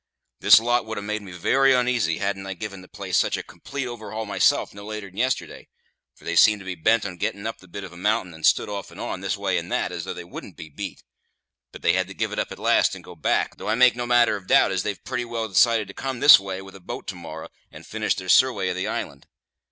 This lot would ha' made me very oneasy, hadn't I give the place such a complete overhaul myself no later 'n yesterday, for they seemed to be bent on getting up the bit of a mountain, and stood off and on, this way and that, as though they wouldn't be beat; but they had to give it up at last and go back, though I make no manner of doubt as they've pretty well decided to come this way with a boat to morrer, and finish their surwey of the island.